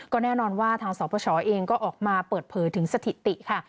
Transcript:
ก็แน่นอนว่าทางสปชเองก็ออกมาเปิดเผยถึงสถิติค่ะ